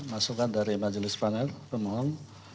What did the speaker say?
masukan dari majelis panel pemohon